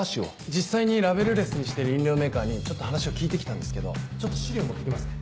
実際にラベルレスにしてる飲料メーカーにちょっと話を聞いて来たんですけどちょっと資料持って来ますね。